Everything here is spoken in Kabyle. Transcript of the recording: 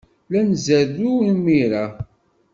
La nzerrew imir-a.